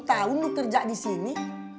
sepuluh tahun lu kerja di sini